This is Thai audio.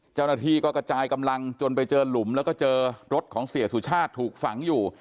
เจ้าหน้าที่ก็กระจายกำลังจนไปเจอหลุมแล้วก็เจอรถของเสียสุชาติถูกฝังอยู่